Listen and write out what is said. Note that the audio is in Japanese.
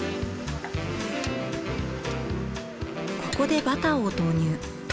ここでバターを投入。